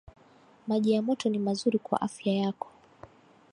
Maji ya moto ni mazuri kwa afya yako